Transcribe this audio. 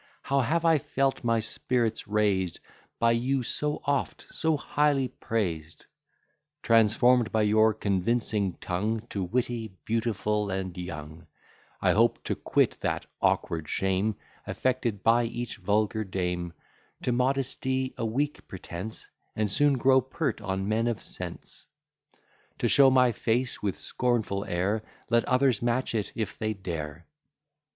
How have I felt my spirits raised, By you so oft, so highly praised! Transform'd by your convincing tongue To witty, beautiful, and young, I hope to quit that awkward shame, Affected by each vulgar dame, To modesty a weak pretence; And soon grow pert on men of sense; To show my face with scornful air; Let others match it if they dare.